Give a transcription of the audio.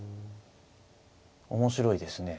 面白いですね。